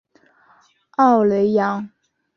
奥雷扬。